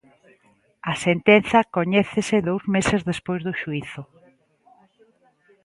A sentenza coñécese dous meses despois do xuízo.